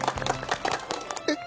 えっ？